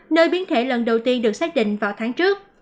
nơi biến thể lần đầu tiên được xác định vào tháng trước